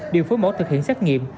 điều phối mẫu thực hiện xét nghiệm